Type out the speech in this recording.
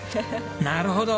なるほど！